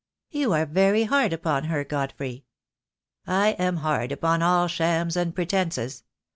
"You are very hard upon her, Godfrey." "I am hard upon all shams and pretences.